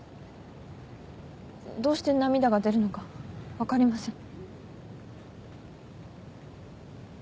どうして涙が出るのか分かりません。